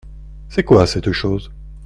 C’est quoi cette chose ?